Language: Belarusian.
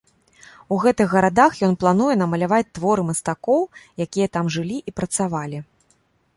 У гэтых гарадах ён плануе намаляваць творы мастакоў, якія там жылі і працавалі.